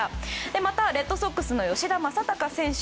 また、レッドソックスの吉田正尚選手